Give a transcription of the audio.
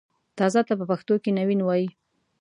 تازه ته په پښتو کښې نوين وايي